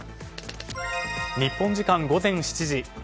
日本時間午前７時。